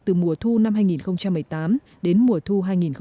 từ mùa thu năm hai nghìn một mươi tám đến mùa thu hai nghìn một mươi chín